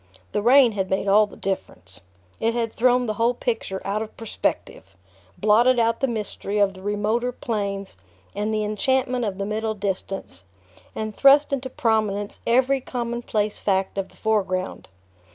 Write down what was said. The rain had made all the difference. It had thrown the whole picture out of perspective, blotted out the mystery of the remoter planes and the enchantment of the middle distance, and thrust into prominence every commonplace fact of the foreground.